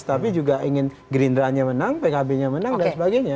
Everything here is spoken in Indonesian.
tapi juga ingin gerindranya menang pkbnya menang dan sebagainya